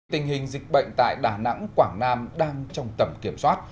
tình hình dịch bệnh tại đà nẵng quảng nam đang trong tầm kiểm soát